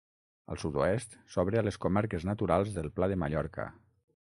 Al sud-oest, s'obre a les comarques naturals del Pla de Mallorca.